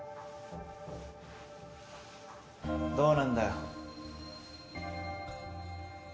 どうなんだよ？